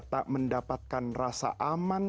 anda akan mendapatkan rasa aman sepanjang pemimpinan anda